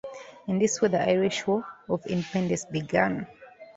In this way the Irish War of Independence began.